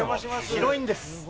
広いんです。